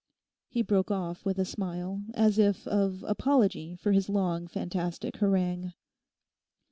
He broke off with a smile, as if of apology for his long, fantastic harangue.